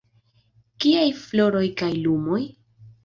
Kiaj floroj kaj lumoj?